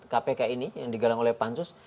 kpk ini yang digalang oleh pansus